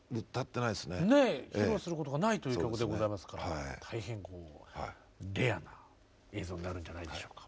披露することがないという曲でございますから大変レアな映像になるんじゃないでしょうか。